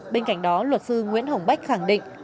bên cạnh đó luật sư nguyễn hồng bách khẳng định